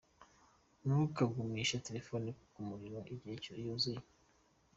Ntukagumishe telefone ku muriro igihe yuzuye.